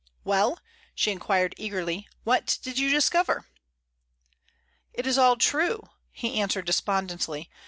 "Well," she inquired, eagerly, "what did you discover?" "It is all true," he answered, despondently.